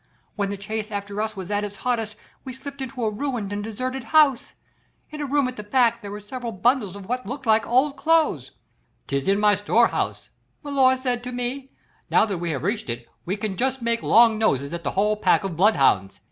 When the chase after us was at its hottest we slipped into a ruined and deserted house. In a room at the back there were several bundles of what looked like old clothes. 'This is my store house,' milor said to me; 'now that we have reached it we can just make long noses at the whole pack of bloodhounds.'